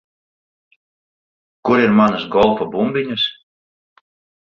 Kur ir manas golfa bumbiņas?